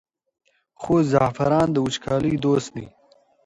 خو زعفران د وچکالۍ دوست دی.